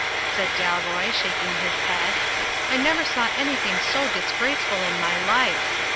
said Dalroy, shaking his head. "I never saw an3rthing so disgraceful in my life.